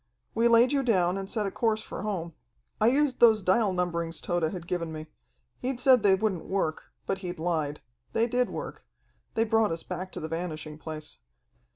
"We laid you down and set a course for home. I used those dial numberings Tode had given me. He'd said they wouldn't work, but he'd lied. They did work. They brought us back to the Vanishing Place.